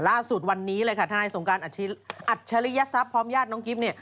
ล่าสุดวันนี้เลยค่ะทนายสงการอัจฉริยทรัพย์พร้อมญาติน้องกิ๊บเนี่ย